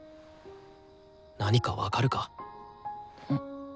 何か分かるか？